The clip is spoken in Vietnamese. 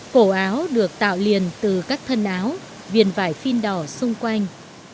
cổ áo được tạo liền từ các thân áo viền vải phin đỏ xung quanh